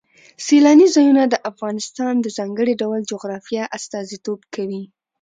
سیلانی ځایونه د افغانستان د ځانګړي ډول جغرافیه استازیتوب کوي.